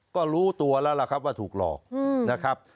ก็รู้ตัวแล้วล่ะครับว่าถูกหลอกนะครับ